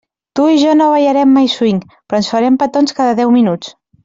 Tu i jo no ballarem mai swing, però ens farem petons cada deu minuts.